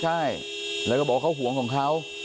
ใช่แล้วก็บอกว่าเขาห่วงของเขา